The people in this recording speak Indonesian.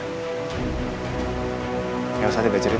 dolls yang sesuai dengan kehidupan